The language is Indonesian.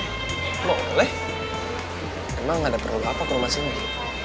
lo boleh emang gak ada perlu apa ke rumah singgi